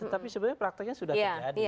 tapi sebenarnya prakteknya sudah terjadi